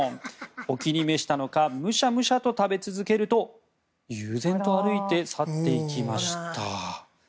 お気に召したのかむしゃむしゃと食べ続けると悠然と歩いて去っていきました。